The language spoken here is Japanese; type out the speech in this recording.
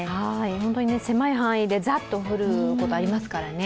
本当に狭い範囲でざっと降ることがありますからね。